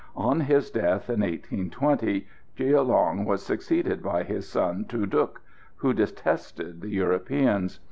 On his death in 1820 Gia Long was succeeded by his son Tu Duc, who detested the Europeans.